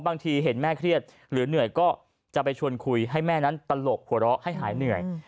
เห็นแม่เครียดหรือเหนื่อยก็จะไปชวนคุยให้แม่นั้นตลกหัวเราะให้หายเหนื่อย